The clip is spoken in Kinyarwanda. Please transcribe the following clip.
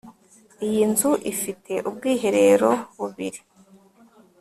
iyi nzu ifite ubwiherero bubiri